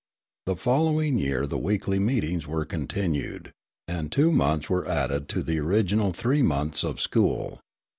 The following year the weekly meetings were continued, and two months were added to the original three months of school.